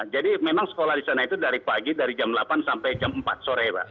jadi memang sekolah di sana itu dari pagi dari jam delapan sampai jam empat sore pak